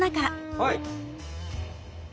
はい。